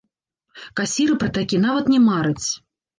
Касіры пра такі нават не мараць!